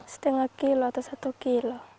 setengah atau satu kilometer